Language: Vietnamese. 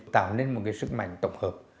tạo nên một cái sức mạnh tổng hợp